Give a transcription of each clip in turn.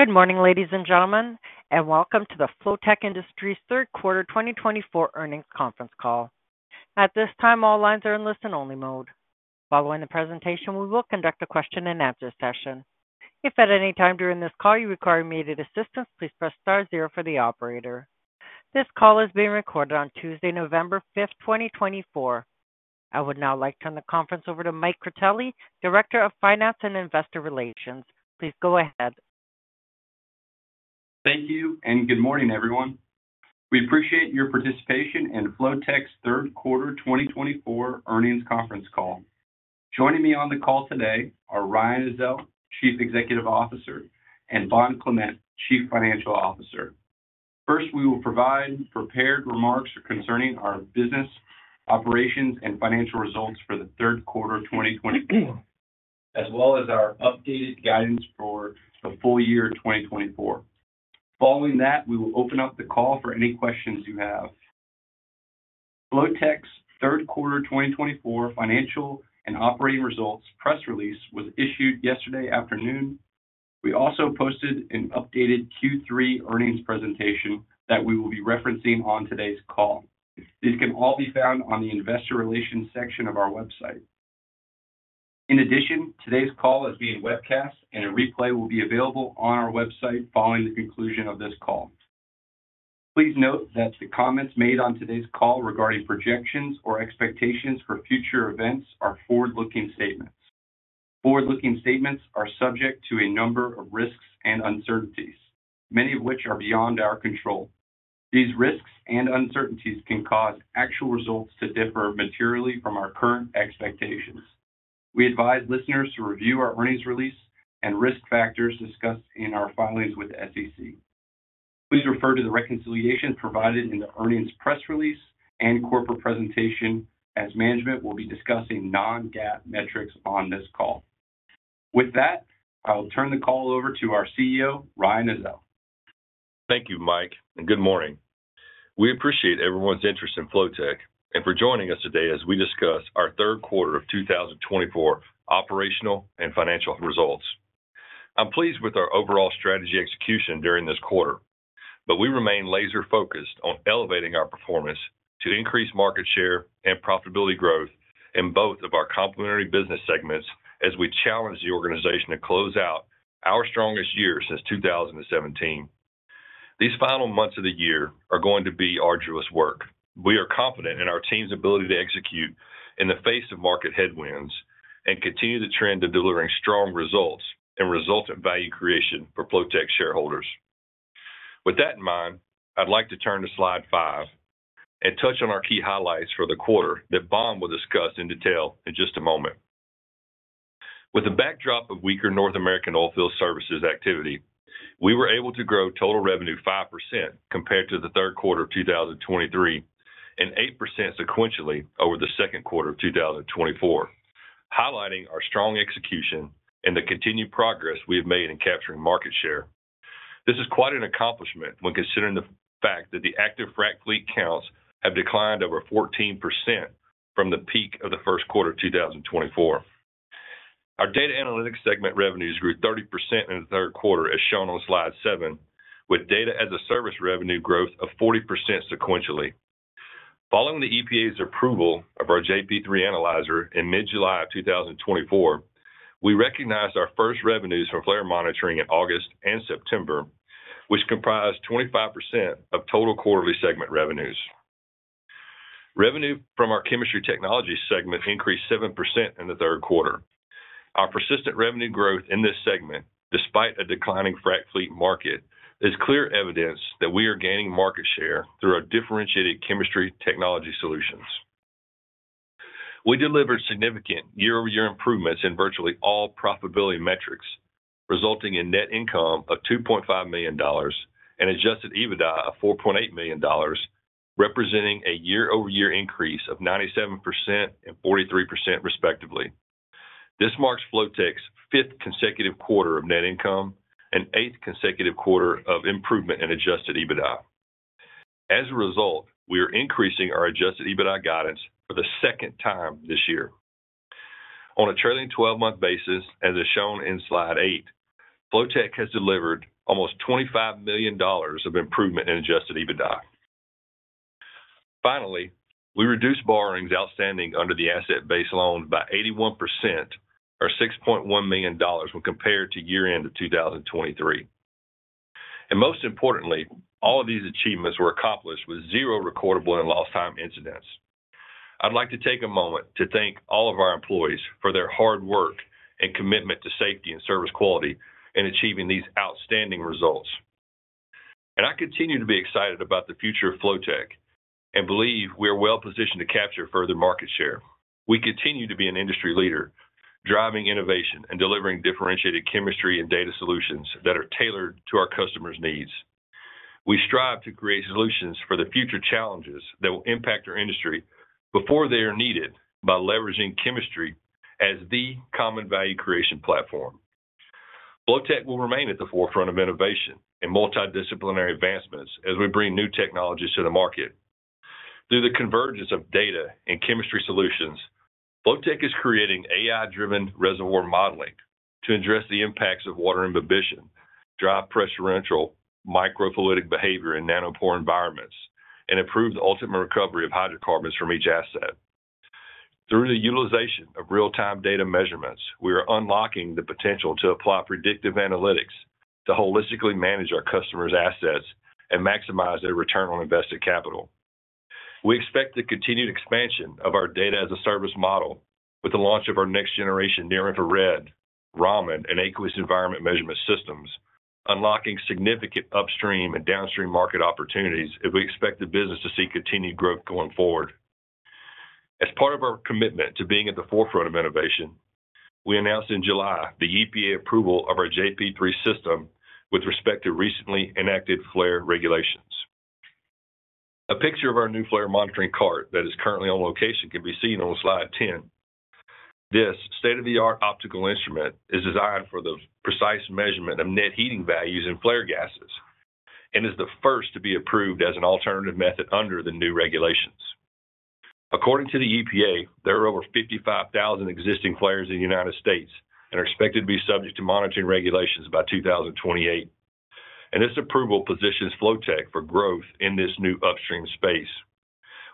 Good morning, ladies and gentlemen, and welcome to the Flotek Industries Third 2024 Earnings Conference Call. At this time, all lines are in listen-only mode. Following the presentation, we will conduct a Q&A session. If at any time during this call you require immediate assistance, please press star zero for the operator. This call is being recorded on Tuesday, November 5th, 2024. I would now like to turn the conference over to Mike Critelli, Director of Finance and Investor Relations. Please go ahead. Thank you and good morning, everyone. We appreciate your participation in Flotek's Third Quarter 2024 Earnings Conference Call. Joining me on the call today are Ryan Ezell, Chief Executive Officer, and Bond Clement, Chief Financial Officer. First, we will provide prepared remarks concerning our business operations and financial results for the third quarter 2024, as well as our updated guidance for the full year 2024. Following that, we will open up the call for any questions you have. Flotek's third quarter 2024 financial and operating results press release was issued yesterday afternoon. We also posted an updated Q3 earnings presentation that we will be referencing on today's call. These can all be found on the Investor Relations section of our website. In addition, today's call is being webcast, and a replay will be available on our website following the conclusion of this call. Please note that the comments made on today's call regarding projections or expectations for future events are forward-looking statements. Forward-looking statements are subject to a number of risks and uncertainties, many of which are beyond our control. These risks and uncertainties can cause actual results to differ materially from our current expectations. We advise listeners to review our earnings release and risk factors discussed in our filings with the SEC. Please refer to the reconciliation provided in the earnings press release and corporate presentation, as management will be discussing non-GAAP metrics on this call. With that, I will turn the call over to our CEO, Ryan Ezell. Thank you, Mike, and good morning. We appreciate everyone's interest in Flotek and for joining us today as we discuss our third quarter of 2024 operational and financial results. I'm pleased with our overall strategy execution during this quarter, but we remain laser-focused on elevating our performance to increase market share and profitability growth in both of our complementary business segments as we challenge the organization to close out our strongest year since 2017. These final months of the year are going to be arduous work. We are confident in our team's ability to execute in the face of market headwinds and continue the trend of delivering strong results and resultant value creation for Flotek shareholders. With that in mind, I'd like to turn to slide five and touch on our key highlights for the quarter that Bond will discuss in detail in just a moment. With the backdrop of weaker North American oil field services activity, we were able to grow total revenue 5% compared to the third quarter of 2023 and 8% sequentially over the second quarter of 2024, highlighting our strong execution and the continued progress we have made in capturing market share. This is quite an accomplishment when considering the fact that the active frac fleet counts have declined over 14% from the peak of the first quarter of 2024. Our Data Analytics segment revenues grew 30% in the third quarter, as shown on slide seven, with data as a service revenue growth of 40% sequentially. Following the EPA's approval of our JP3 Analyzer in mid-July of 2024, we recognized our first revenues from flare monitoring in August and September, which comprised 25% of total quarterly segment revenues. Revenue from our Chemistry Technology segment increased 7% in the third quarter. Our persistent revenue growth in this segment, despite a declining frac fleet market, is clear evidence that we are gaining market share through our differentiated Chemistry Technology solutions. We delivered significant year-over-year improvements in virtually all profitability metrics, resulting in net income of $2.5 million and Adjusted EBITDA of $4.8 million, representing a year-over-year increase of 97% and 43%, respectively. This marks Flotek's fifth consecutive quarter of net income and eighth consecutive quarter of improvement in Adjusted EBITDA. As a result, we are increasing our Adjusted EBITDA guidance for the second time this year. On a trailing 12-month basis, as is shown in slide eight, Flotek has delivered almost $25 million of improvement in Adjusted EBITDA. Finally, we reduced borrowings outstanding under the asset-based loans by 81%, or $6.1 million when compared to year-end of 2023. And most importantly, all of these achievements were accomplished with zero recordable and lost-time incidents. I'd like to take a moment to thank all of our employees for their hard work and commitment to safety and service quality in achieving these outstanding results. And I continue to be excited about the future of Flotek and believe we are well-positioned to capture further market share. We continue to be an industry leader, driving innovation and delivering differentiated chemistry and data solutions that are tailored to our customers' needs. We strive to create solutions for the future challenges that will impact our industry before they are needed by leveraging chemistry as the common value creation platform. Flotek will remain at the forefront of innovation and multidisciplinary advancements as we bring new technologies to the market. Through the convergence of data and chemistry solutions, Flotek is creating AI-driven reservoir modeling to address the impacts of water imbibition, drive pressure entry, microfluidic behavior in nanopore environments, and improve the ultimate recovery of hydrocarbons from each asset. Through the utilization of real-time data measurements, we are unlocking the potential to apply predictive analytics to holistically manage our customers' assets and maximize their return on invested capital. We expect the continued expansion of our data-as-a-service model with the launch of our next-generation near-infrared, Raman and aqueous environment measurement systems, unlocking significant upstream and downstream market opportunities if we expect the business to see continued growth going forward. As part of our commitment to being at the forefront of innovation, we announced in July the EPA approval of our JP3 system with respect to recently enacted flare regulations. A picture of our new flare monitoring cart that is currently on location can be seen on slide 10. This state-of-the-art optical instrument is designed for the precise measurement of net heating values in flare gases and is the first to be approved as an alternative method under the new regulations. According to the EPA, there are over 55,000 existing flares in the United States and are expected to be subject to monitoring regulations by 2028. And this approval positions Flotek for growth in this new upstream space.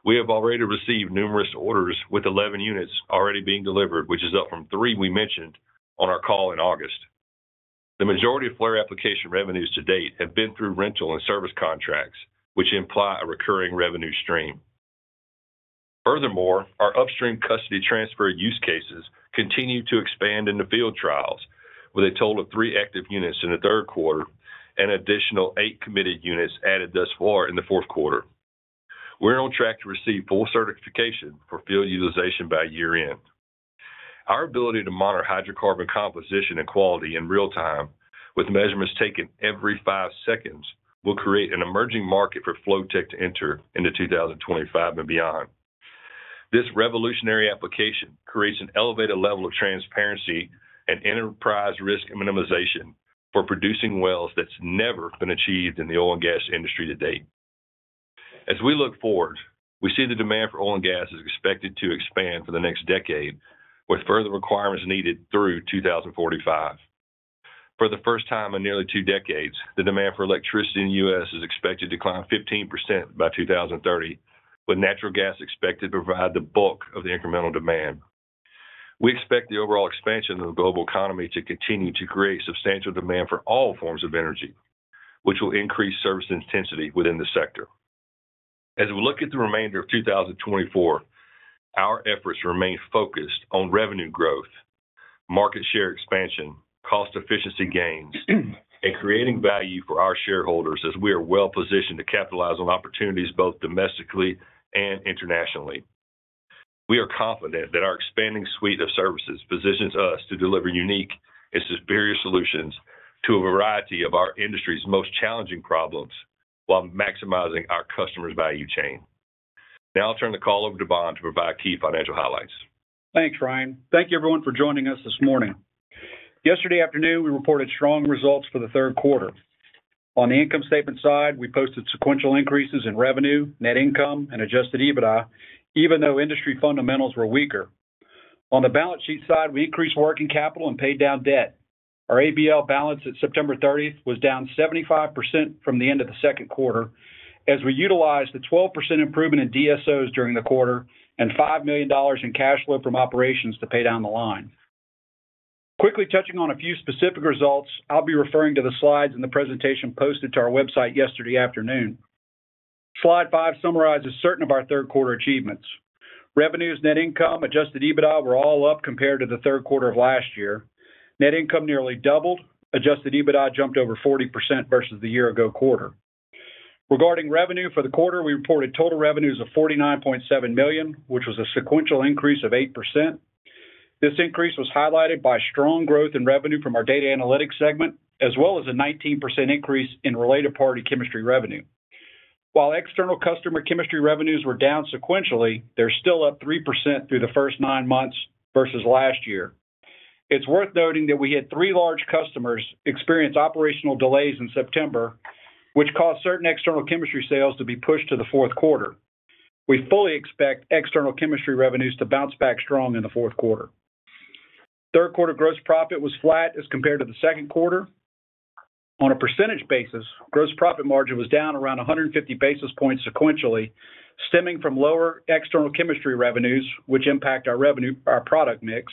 We have already received numerous orders, with 11 units already being delivered, which is up from three we mentioned on our call in August. The majority of flare application revenues to date have been through rental and service contracts, which imply a recurring revenue stream. Furthermore, our upstream custody transfer use cases continue to expand in the field trials, with a total of three active units in the third quarter and additional eight committed units added thus far in the fourth quarter. We're on track to receive full certification for field utilization by year-end. Our ability to monitor hydrocarbon composition and quality in real time, with measurements taken every five seconds, will create an emerging market for Flotek to enter into 2025 and beyond. This revolutionary application creates an elevated level of transparency and enterprise risk minimization for producing wells that's never been achieved in the oil and gas industry to date. As we look forward, we see the demand for oil and gas is expected to expand for the next decade, with further requirements needed through 2045. For the first time in nearly two decades, the demand for electricity in the U.S. is expected to climb 15% by 2030, with natural gas expected to provide the bulk of the incremental demand. We expect the overall expansion of the global economy to continue to create substantial demand for all forms of energy, which will increase service intensity within the sector. As we look at the remainder of 2024, our efforts remain focused on revenue growth, market share expansion, cost efficiency gains, and creating value for our shareholders as we are well-positioned to capitalize on opportunities both domestically and internationally. We are confident that our expanding suite of services positions us to deliver unique and superior solutions to a variety of our industry's most challenging problems while maximizing our customers' value chain. Now I'll turn the call over to Bond to provide key financial highlights. Thanks, Ryan. Thank you, everyone, for joining us this morning. Yesterday afternoon, we reported strong results for the third quarter. On the income statement side, we posted sequential increases in revenue, net income, and adjusted EBITDA, even though industry fundamentals were weaker. On the balance sheet side, we increased working capital and paid down debt. Our ABL balance at September 30th was down 75% from the end of the second quarter, as we utilized the 12% improvement in DSOs during the quarter and $5 million in cash flow from operations to pay down the line. Quickly touching on a few specific results, I'll be referring to the slides in the presentation posted to our website yesterday afternoon. Slide five summarizes certain of our third quarter achievements. Revenues, net income, adjusted EBITDA were all up compared to the third quarter of last year. Net income nearly doubled. Adjusted EBITDA jumped over 40% versus the year-ago quarter. Regarding revenue for the quarter, we reported total revenues of $49.7 million, which was a sequential increase of 8%. This increase was highlighted by strong growth in revenue from our Data Analytics segment, as well as a 19% increase in related party chemistry revenue. While external customer chemistry revenues were down sequentially, they're still up 3% through the first nine months versus last year. It's worth noting that we had three large customers experience operational delays in September, which caused certain external chemistry sales to be pushed to the fourth quarter. We fully expect external chemistry revenues to bounce back strong in the fourth quarter. Third quarter gross profit was flat as compared to the second quarter. On a percentage basis, gross profit margin was down around 150 basis points sequentially, stemming from lower external chemistry revenues, which impact our revenue, our product mix,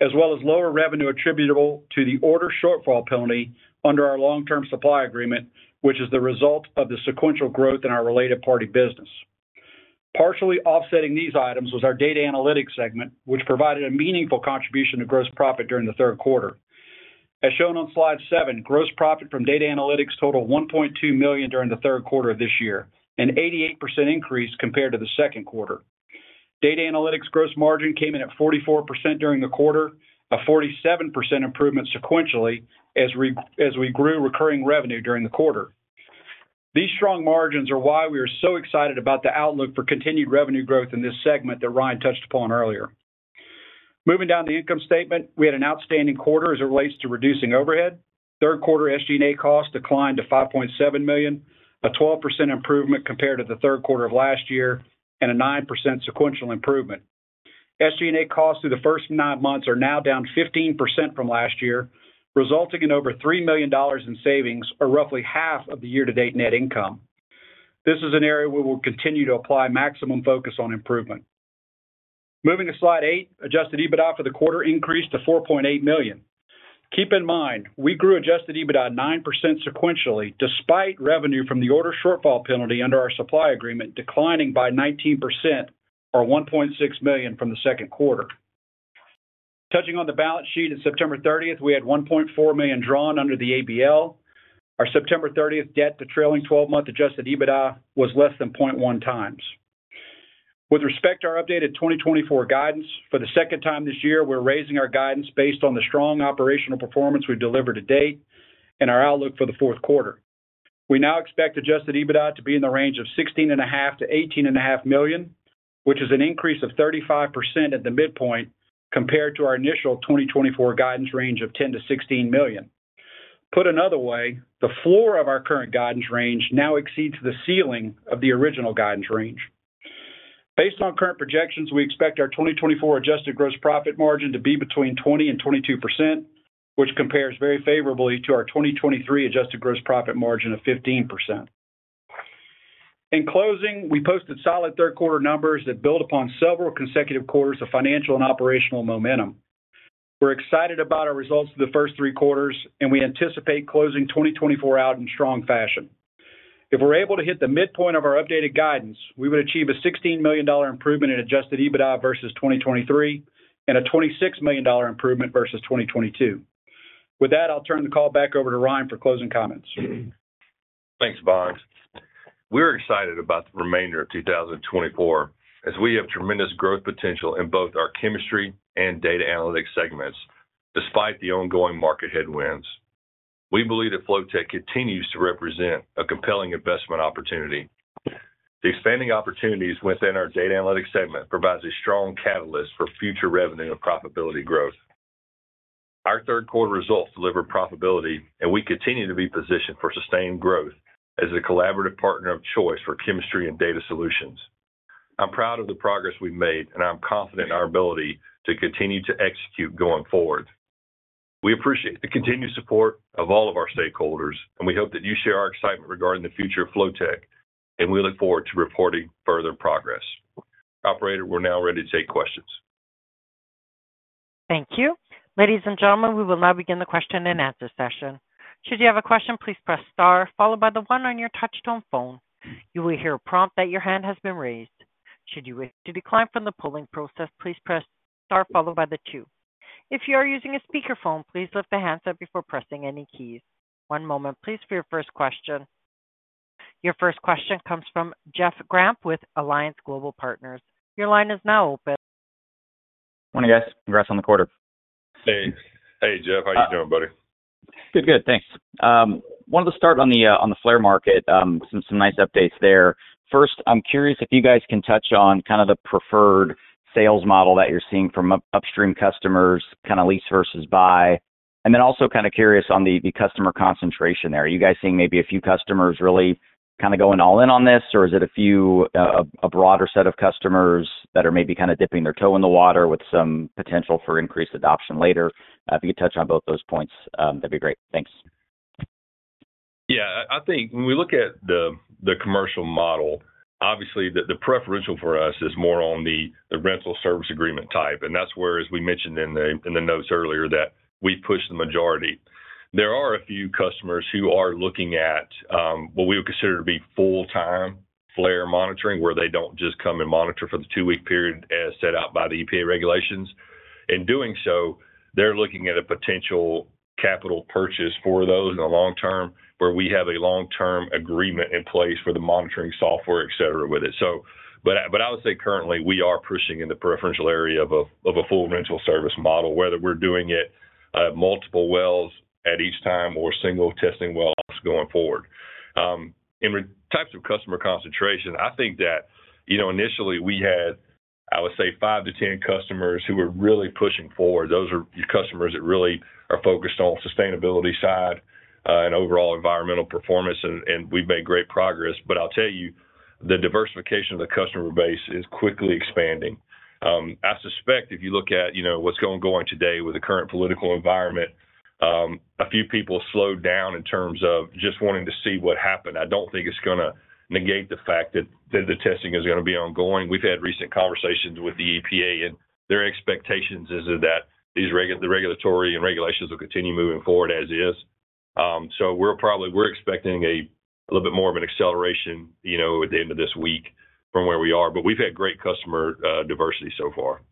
as well as lower revenue attributable to the order shortfall penalty under our long-term supply agreement, which is the result of the sequential growth in our related party business. Partially offsetting these items was our Data Analytics segment, which provided a meaningful contribution to gross profit during the third quarter. As shown on slide seven, gross profit from Data Analytics totaled $1.2 million during the third quarter of this year, an 88% increase compared to the second quarter. Data Analytics gross margin came in at 44% during the quarter, a 47% improvement sequentially as we grew recurring revenue during the quarter. These strong margins are why we are so excited about the outlook for continued revenue growth in this segment that Ryan touched upon earlier. Moving down the income statement, we had an outstanding quarter as it relates to reducing overhead. Third quarter SG&A costs declined to $5.7 million, a 12% improvement compared to the third quarter of last year, and a 9% sequential improvement. SG&A costs through the first nine months are now down 15% from last year, resulting in over $3 million in savings, or roughly half of the year-to-date net income. This is an area we will continue to apply maximum focus on improvement. Moving to slide eight, adjusted EBITDA for the quarter increased to $4.8 million. Keep in mind, we grew adjusted EBITDA 9% sequentially despite revenue from the order shortfall penalty under our supply agreement declining by 19%, or $1.6 million from the second quarter. Touching on the balance sheet at September 30th, we had $1.4 million drawn under the ABL. Our September 30th debt to trailing 12-month adjusted EBITDA was less than 0.1 times. With respect to our updated 2024 guidance, for the second time this year, we're raising our guidance based on the strong operational performance we've delivered to date and our outlook for the fourth quarter. We now expect adjusted EBITDA to be in the range of $16.5 to $18.5 million, which is an increase of 35% at the midpoint compared to our initial 2024 guidance range of $10 to $16 million. Put another way, the floor of our current guidance range now exceeds the ceiling of the original guidance range. Based on current projections, we expect our 2024 adjusted gross profit margin to be between 20% and 22%, which compares very favorably to our 2023 adjusted gross profit margin of 15%. In closing, we posted solid third quarter numbers that build upon several consecutive quarters of financial and operational momentum. We're excited about our results for the first three quarters, and we anticipate closing 2024 out in strong fashion. If we're able to hit the midpoint of our updated guidance, we would achieve a $16 million improvement in Adjusted EBITDA versus 2023 and a $26 million improvement versus 2022. With that, I'll turn the call back over to Ryan for closing comments. Thanks, Bond. We're excited about the remainder of 2024 as we have tremendous growth potential in both our chemistry and data analytics segments despite the ongoing market headwinds. We believe that Flotek continues to represent a compelling investment opportunity. The expanding opportunities within our Data Analytics segment provide a strong catalyst for future revenue and profitability growth. Our third quarter results delivered profitability, and we continue to be positioned for sustained growth as a collaborative partner of choice for chemistry and data solutions. I'm proud of the progress we've made, and I'm confident in our ability to continue to execute going forward. We appreciate the continued support of all of our stakeholders, and we hope that you share our excitement regarding the future of Flotek, and we look forward to reporting further progress. Operator, we're now ready to take questions. Thank you. Ladies and gentlemen, we will now begin the Q&A session. Should you have a question, please press star, followed by the one on your touch-tone phone. You will hear a prompt that your hand has been raised. Should you wish to decline from the polling process, please press star, followed by the two. If you are using a speakerphone, please lift the handset up before pressing any keys. One moment, please, for your first question. Your first question comes from Jeff Grampp with Alliance Global Partners. Your line is now open. Morning, guys. Congrats on the quarter. Hey. Hey, Jeff. How you doing, buddy? Good, good. Thanks. Wanted to start on the flare market, some nice updates there. First, I'm curious if you guys can touch on kind of the preferred sales model that you're seeing from upstream customers, kind of lease versus buy, and then also kind of curious on the customer concentration there. Are you guys seeing maybe a few customers really kind of going all in on this, or is it a few, a broader set of customers that are maybe kind of dipping their toe in the water with some potential for increased adoption later? If you could touch on both those points, that'd be great. Thanks. Yeah. I think when we look at the commercial model, obviously the preferential for us is more on the rental service agreement type. And that's where, as we mentioned in the notes earlier, that we push the majority. There are a few customers who are looking at what we would consider to be full-time flare monitoring, where they don't just come and monitor for the two-week period as set out by the EPA regulations. In doing so, they're looking at a potential capital purchase for those in the long term, where we have a long-term agreement in place for the monitoring software, etc., with it. But I would say currently we are pushing in the preferential area of a full rental service model, whether we're doing it multiple wells at each time or single testing wells going forward. In terms of customer concentration, I think that initially we had, I would say, five to 10 customers who were really pushing forward. Those are customers that really are focused on the sustainability side and overall environmental performance, and we've made great progress. But I'll tell you, the diversification of the customer base is quickly expanding. I suspect if you look at what's going on today with the current political environment, a few people slowed down in terms of just wanting to see what happened. I don't think it's going to negate the fact that the testing is going to be ongoing. We've had recent conversations with the EPA, and their expectations are that the regulatory and regulations will continue moving forward as is. So we're expecting a little bit more of an acceleration at the end of this week from where we are. But we've had great customer diversity so far.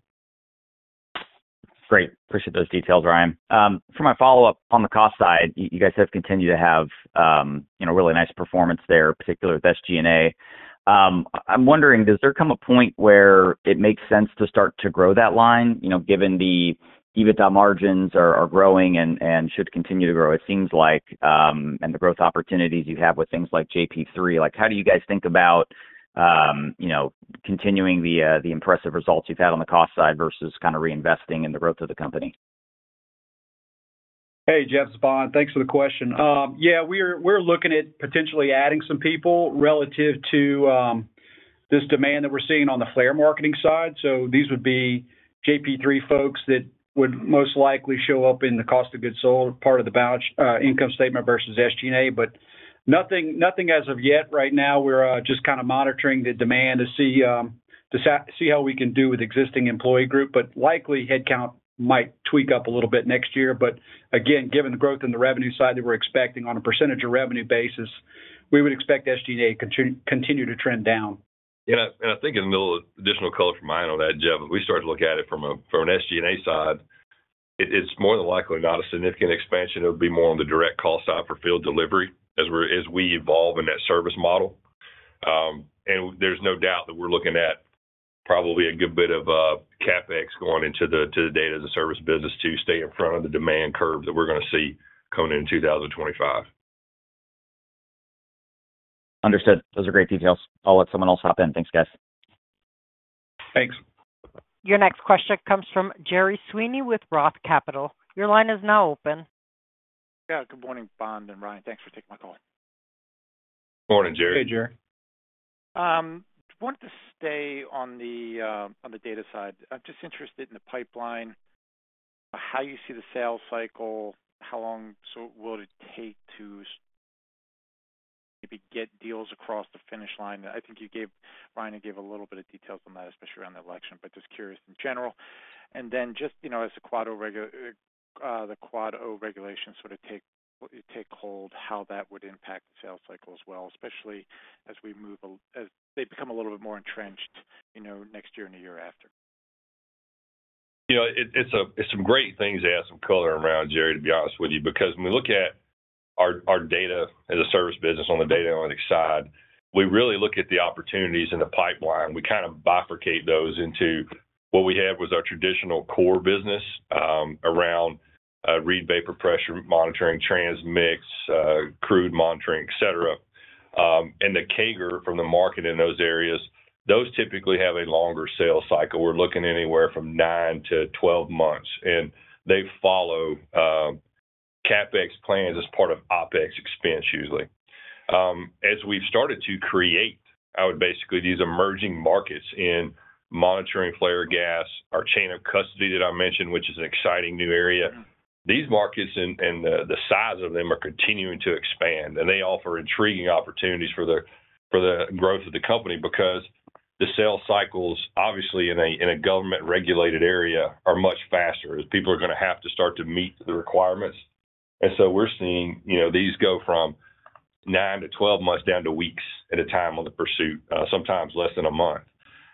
Great. Appreciate those details, Ryan. For my follow-up on the cost side, you guys have continued to have really nice performance there, particularly with SG&A. I'm wondering, does there come a point where it makes sense to start to grow that line, given the EBITDA margins are growing and should continue to grow, it seems like, and the growth opportunities you have with things like JP3? How do you guys think about continuing the impressive results you've had on the cost side versus kind of reinvesting in the growth of the company? Hey, Jeff Grampp. Thanks for the question. Yeah, we're looking at potentially adding some people relative to this demand that we're seeing on the flare monitoring side. So these would be JP3 folks that would most likely show up in the cost of goods sold part of the balance of the income statement versus SG&A. But nothing as of yet. Right now, we're just kind of monitoring the demand to see how we can do with the existing employee group. But likely, headcount might tweak up a little bit next year. But again, given the growth in the revenue side that we're expecting on a percentage of revenue basis, we would expect SG&A to continue to trend down. And I think in the middle of additional color from my end on that, Jeff, if we start to look at it from an SG&A side, it's more than likely not a significant expansion. It'll be more on the direct cost side for field delivery as we evolve in that service model. And there's no doubt that we're looking at probably a good bit of CapEx going into the data as a service business to stay in front of the demand curve that we're going to see coming in 2025. Understood. Those are great details. I'll let someone else hop in. Thanks, guys. Thanks. Your next question comes from Gerry Sweeney with Roth Capital. Your line is now open. Yeah. Good morning, Bond and Ryan. Thanks for taking my call. Morning, Gerry. Hey, Gerry. I wanted to stay on the data side. I'm just interested in the pipeline, how you see the sales cycle, how long will it take to maybe get deals across the finish line. I think you gave, Ryan, you gave a little bit of details on that, especially around the election, but just curious in general. And then just as the Quad O regulations sort of take hold, how that would impact the sales cycle as well, especially as they become a little bit more entrenched next year and the year after. It's some great things to add some color around, Gerry, to be honest with you, because when we look at our data as a service business on the Data Analytics side, we really look at the opportunities in the pipeline. We kind of bifurcate those into what we have was our traditional core business around Reid vapor pressure monitoring, transmix, crude monitoring, etc. And the CAGR from the market in those areas, those typically have a longer sales cycle. We're looking anywhere from nine to 12 months, and they follow CapEx plans as part of OpEx expense, usually. As we've started to create, I would basically these emerging markets in monitoring flare gas, our chain of custody that I mentioned, which is an exciting new area. These markets and the size of them are continuing to expand, and they offer intriguing opportunities for the growth of the company because the sales cycles, obviously, in a government-regulated area are much faster as people are going to have to start to meet the requirements. And so we're seeing these go from nine to 12 months down to weeks at a time on the pursuit, sometimes less than a month.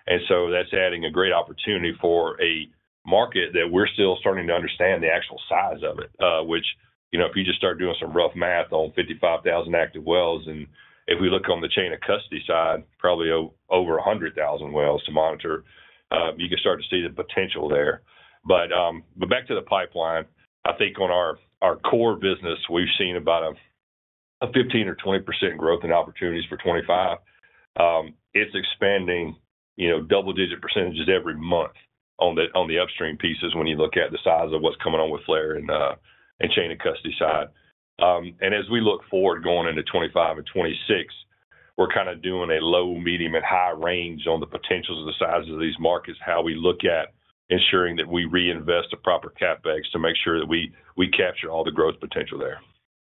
And so that's adding a great opportunity for a market that we're still starting to understand the actual size of it, which if you just start doing some rough math on 55,000 active wells, and if we look on the chain of custody side, probably over 100,000 wells to monitor, you can start to see the potential there. But back to the pipeline, I think on our core business, we've seen about a 15%-20% growth in opportunities for 2025. It's expanding double-digit percentages every month on the upstream pieces when you look at the size of what's coming on with flare and chain of custody side. And as we look forward going into 2025 and 2026, we're kind of doing a low, medium, and high range on the potentials of the size of these markets, how we look at ensuring that we reinvest the proper CapEx to make sure that we capture all the growth potential there.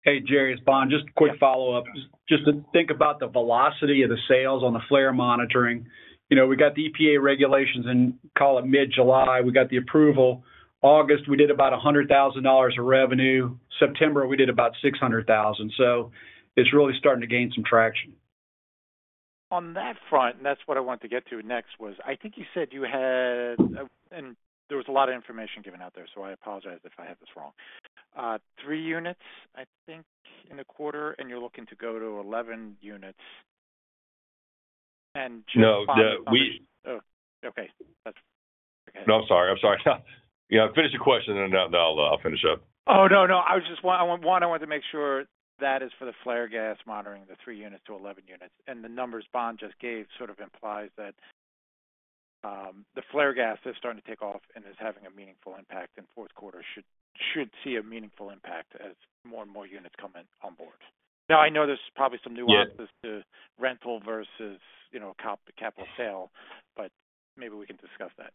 Hey, Jerry Sweeney, just a quick follow-up. Just to think about the velocity of the sales on the flare monitoring. We got the EPA regulations in, call it mid-July. We got the approval. August, we did about $100,000 of revenue. September, we did about $600,000. So it's really starting to gain some traction. On that front, and that's what I wanted to get to next was, I think you said you had, and there was a lot of information given out there, so I apologize if I have this wrong. Three units, I think, in the quarter, and you're looking to go to 11 units. And Jeff, do you have that? No, we— Okay. That's okay. No, I'm sorry. I'm sorry. Finish the question, and then I'll finish up. Oh, no, no. I wanted to make sure that is for the flare gas monitoring, the three units to 11 units, and the numbers Bond just gave sort of implies that the flare gas is starting to take off and is having a meaningful impact, and fourth quarter should see a meaningful impact as more and more units come on board. Now, I know there's probably some nuances to rental versus capital sale, but maybe we can discuss that.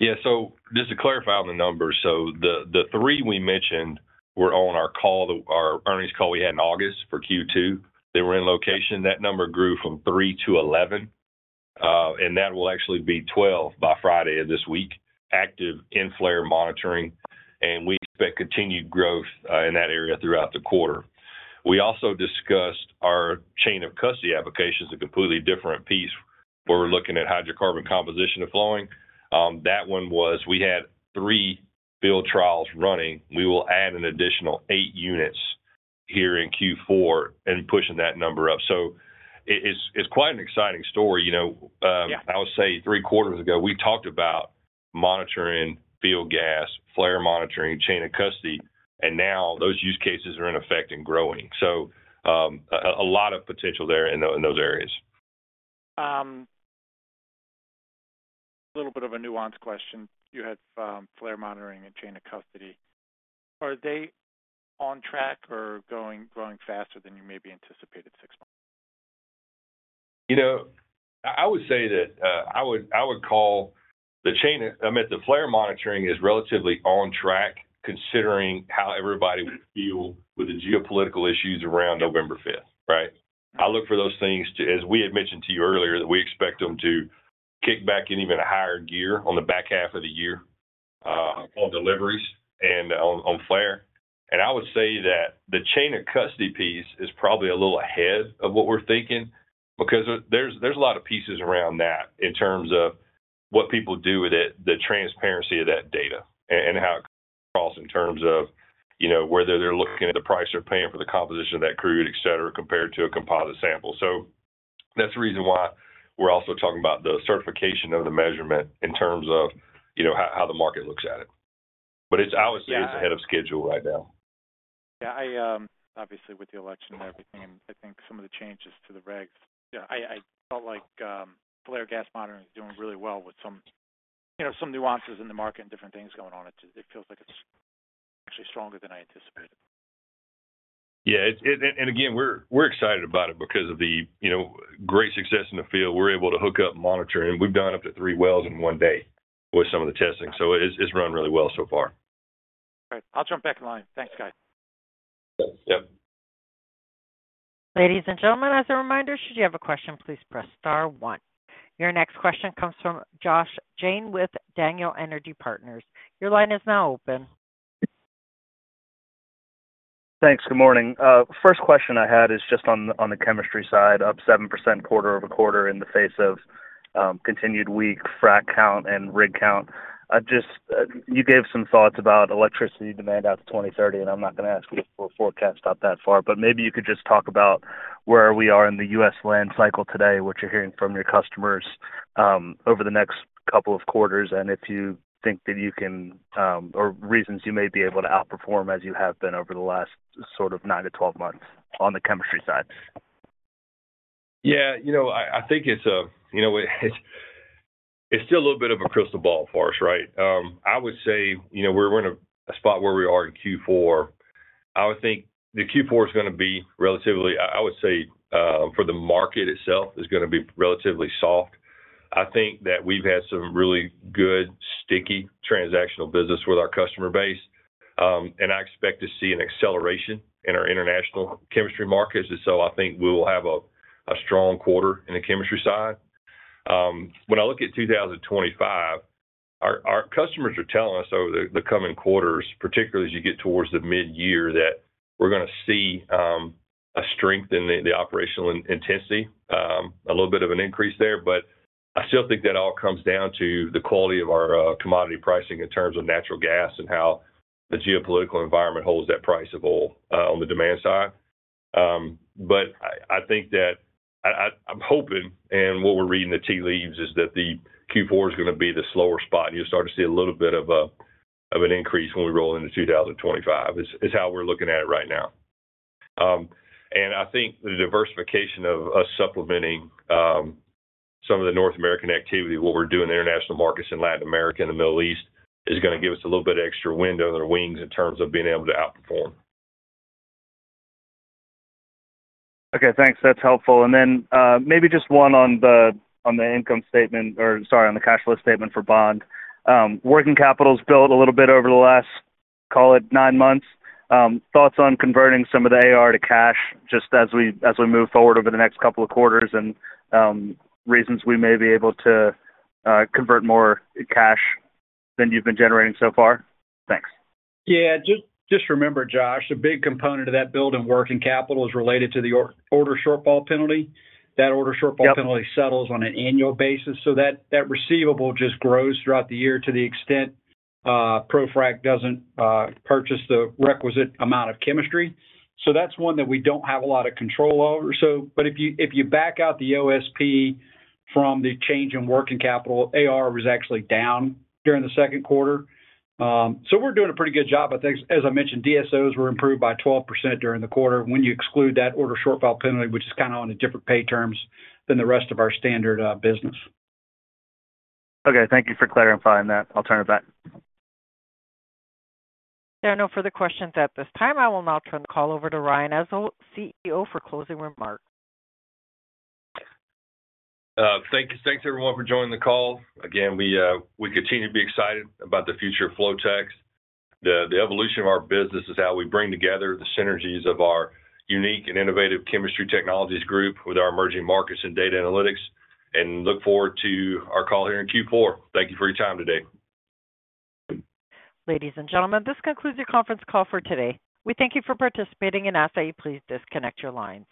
Yeah. So just to clarify on the numbers, so the three we mentioned were on our earnings call we had in August for Q2. They were in location. That number grew from three to 11, and that will actually be 12 by Friday of this week active in flare monitoring, and we expect continued growth in that area throughout the quarter. We also discussed our chain of custody applications, a completely different piece where we're looking at hydrocarbon composition of flowing. That one was, we had three field trials running. We will add an additional eight units here in Q4 and pushing that number up. So it's quite an exciting story. I would say three quarters ago, we talked about monitoring field gas, flare monitoring, chain of custody, and now those use cases are in effect and growing. So a lot of potential there in those areas. A little bit of a nuanced question. You had flare monitoring and chain of custody. Are they on track or growing faster than you maybe anticipated six months? I would say that I would call the chain of, I meant, the flare monitoring is relatively on track considering how everybody will feel with the geopolitical issues around November 5th, right? I look for those things, as we had mentioned to you earlier, that we expect them to kick back in even a higher gear on the back half of the year on deliveries and on flare. And I would say that the chain of custody piece is probably a little ahead of what we're thinking because there's a lot of pieces around that in terms of what people do with it, the transparency of that data, and how it crosses in terms of whether they're looking at the price they're paying for the composition of that crude, etc., compared to a composite sample. That's the reason why we're also talking about the certification of the measurement in terms of how the market looks at it. But I would say it's ahead of schedule right now. Yeah. Obviously, with the election and everything, and I think some of the changes to the regs, I felt like flare gas monitoring is doing really well with some nuances in the market and different things going on. It feels like it's actually stronger than I anticipated. Yeah. And again, we're excited about it because of the great success in the field. We're able to hook up monitoring. We've done up to three wells in one day with some of the testing. So it's run really well so far. All right. I'll jump back in line. Thanks, guys. Yep. Ladies and gentlemen, as a reminder, should you have a question, please press star one. Your next question comes from Josh Jayne with Daniel Energy Partners. Your line is now open. Thanks. Good morning. First question I had is just on the chemistry side, up 7% quarter over quarter in the face of continued weak frac count and rig count. You gave some thoughts about electricity demand out to 2030, and I'm not going to ask you for a forecast out that far, but maybe you could just talk about where we are in the U.S. land cycle today, what you're hearing from your customers over the next couple of quarters, and if you think that you can or reasons you may be able to outperform as you have been over the last sort of nine to 12 months on the chemistry side. Yeah. I think it's still a little bit of a crystal ball for us, right? I would say we're in a spot where we are in Q4. I would think the Q4 is going to be relatively. I would say for the market itself, it's going to be relatively soft. I think that we've had some really good, sticky transactional business with our customer base, and I expect to see an acceleration in our international chemistry markets. And so I think we will have a strong quarter in the chemistry side. When I look at 2025, our customers are telling us over the coming quarters, particularly as you get towards the mid-year, that we're going to see a strength in the operational intensity, a little bit of an increase there. But I still think that all comes down to the quality of our commodity pricing in terms of natural gas and how the geopolitical environment holds that price of oil on the demand side. But I think that I'm hoping, and what we're reading the tea leaves is that the Q4 is going to be the slower spot. You'll start to see a little bit of an increase when we roll into 2025, is how we're looking at it right now. And I think the diversification of us supplementing some of the North American activity, what we're doing in international markets in Latin America and the Middle East, is going to give us a little bit of extra wind on our wings in terms of being able to outperform. Okay. Thanks. That's helpful. And then maybe just one on the income statement or, sorry, on the cash flow statement for Bond. Working capital's built a little bit over the last, call it, nine months. Thoughts on converting some of the AR to cash just as we move forward over the next couple of quarters and reasons we may be able to convert more cash than you've been generating so far? Thanks. Yeah. Just remember, Josh, a big component of that build and working capital is related to the order shortfall penalty. That order shortfall penalty settles on an annual basis, so that receivable just grows throughout the year to the extent ProFrac doesn't purchase the requisite amount of chemistry, so that's one that we don't have a lot of control over, but if you back out the OSP from the change in working capital, AR was actually down during the second quarter, so we're doing a pretty good job. I think, as I mentioned, DSOs were improved by 12% during the quarter when you exclude that order shortfall penalty, which is kind of on a different pay terms than the rest of our standard business. Okay. Thank you for clarifying that. I'll turn it back. There are no further questions at this time. I will now turn the call over to Ryan Ezell, CEO, for closing remarks. Thanks, everyone, for joining the call. Again, we continue to be excited about the future of Flotek. The evolution of our business is how we bring together the synergies of our unique and innovative chemistry technologies group with our emerging markets and data analytics, and look forward to our call here in Q4. Thank you for your time today. Ladies and gentlemen, this concludes your conference call for today. We thank you for participating and ask that you please disconnect your lines.